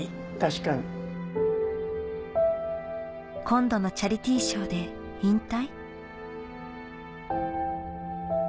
今度のチャリティーショーで引退？